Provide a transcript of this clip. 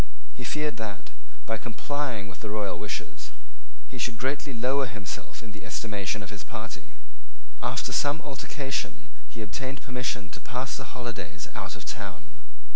He feared that, by complying with the royal wishes, he should greatly lower himself in the estimation of his party. After some altercation he obtained permission to pass the holidays out of town.